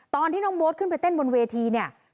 ตอนที่น้องโบ๊ทขึ้นไปเต้นบนเวทีเนี่ย